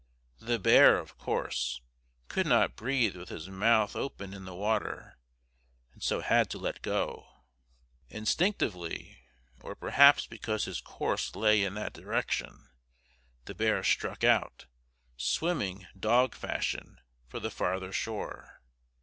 The bear, of course, could not breathe with his mouth open in the water, and so had to let go. Instinctively, or perhaps because his course lay in that direction, the bear struck out, swimming "dog fashion," for the farther shore.